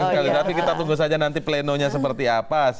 sekali tapi kita tunggu saja nanti plenonya seperti apa